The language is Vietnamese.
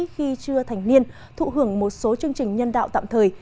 khi chưa thành niên thụ hưởng một số chương trình nhân đạo tạm thời